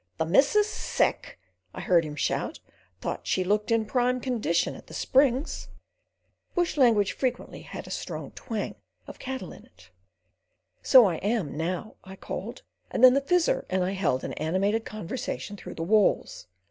"The missus sick!" I heard him shout. "Thought she looked in prime condition at the Springs." (Bush language frequently has a strong twang of cattle in it.) "So I am now," I called; and then the Fizzer and I held an animated conversation through the walls.